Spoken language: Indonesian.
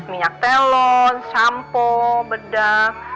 minyak telon sampo bedang